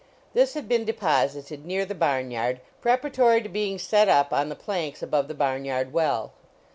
This had been deposited near the barn yard, preparatory to being set up on the planks above the barn yard well.